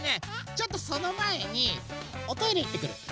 ちょっとそのまえにおトイレいってくる。